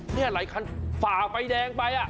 นี่หลายคันฝ่าไฟแดงไป